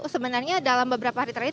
sebenarnya dalam beberapa hari terakhir